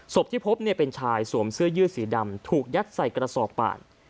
ที่พบเป็นชายสวมเสื้อยืดสีดำถูกยัดใส่กระสอบป่าน